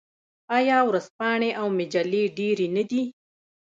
آیا ورځپاڼې او مجلې ډیرې نه دي؟